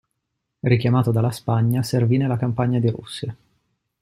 Richiamato dalla Spagna, servì nella campagna di Russia.